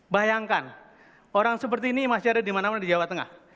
bayangkan orang seperti ini masih ada di mana mana di jawa tengah